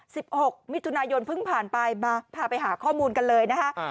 หกมิถุนายนเพิ่งผ่านไปมาพาไปหาข้อมูลกันเลยนะคะ